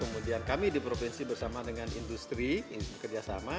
kemudian kami di provinsi bersama dengan industri bekerjasama